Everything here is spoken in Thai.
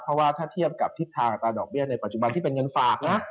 เพราะว่าถ้าเทียบกับทิศทางอัตราดอกเบี้ยในปัจจุบันที่เป็นเงินฝากนะ